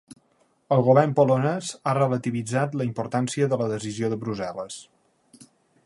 El govern polonès ha relativitzat la importància de la decisió de Brussel·les.